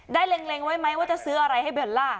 เล็งไว้ไหมว่าจะซื้ออะไรให้เบลล่า